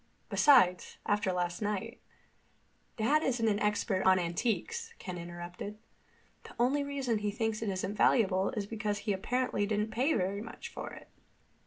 Besides, after last night—" "Dad isn't an expert on antiques," Ken interrupted. "The only reason he thinks it isn't valuable is because he apparently didn't pay very much for it."